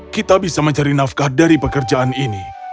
kita bisa mencari nafkah dari pekerjaan ini